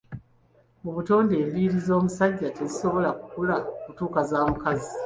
Mu butonde, enviiri ez'omusajja tezisobola kukula kutuuka za mukazi.